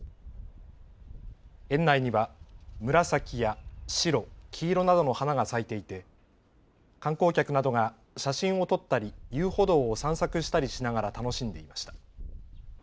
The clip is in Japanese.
園内には紫や白、黄色などの花が咲いていて観光客などが写真を撮ったり遊歩道を散策したりしながら楽しんでいました。